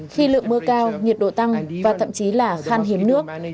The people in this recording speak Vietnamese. khi lượng mưa cao nhiệt độ tăng và thậm chí là khan hiếm nước